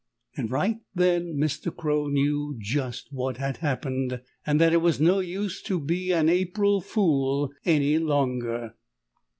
And right then Mr. Crow knew just what had happened, and that it was no use to be an April fool any longer.